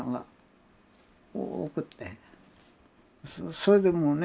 それでもね